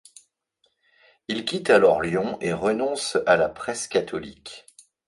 Il quitte alors Lyon et renonce à la presse catholique.